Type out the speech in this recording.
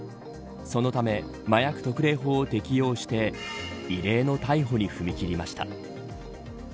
そのため、麻薬特例法を適用し異例の逮捕に踏み切りました。